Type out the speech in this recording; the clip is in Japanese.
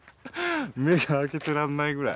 目が開けていられないぐらい。